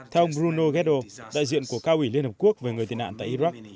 theo bruno gueddo đại diện của cao ủy liên hợp quốc về người tị nạn tại iraq